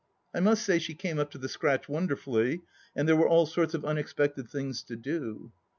I must say she came up to the scratch wonderfully, and there were all sorts of unexpected things to do.